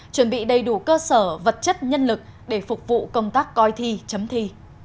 chuẩn bị đầy đủ cơ sở vật chất nhân lực để phục vụ công tác coi thi chấm thi